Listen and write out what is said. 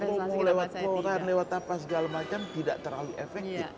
jadi kalau kita promo lewat koran lewat tapas segala macam tidak terlalu efektif